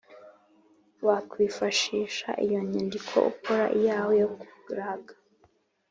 wakwifashisha iyo nyandiko, ukora iyawe yo kuraga,